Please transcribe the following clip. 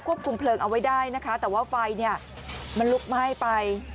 แล้วควบคุมเพลิงเอาไว้ได้แต่ว่าไฟมันลุกไห้ไป